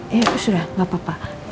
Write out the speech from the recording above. ya itu sudah tidak apa apa